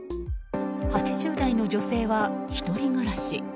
８０代の女性は１人暮らし。